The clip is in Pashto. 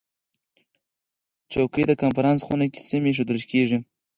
چوکۍ د کنفرانس خونه کې سمې ایښودل کېږي.